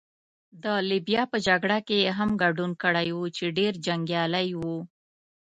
د لیبیا په جګړه کې يې هم ګډون کړی وو، چې ډېر جنګیالی وو.